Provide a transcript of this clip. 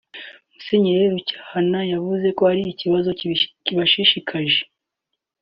Musenyeri Rucyahana yavuze ko ari ikibazo kibashishikaje